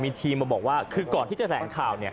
มีทีมมาบอกว่าคือก่อนที่จะแถลงข่าวเนี่ย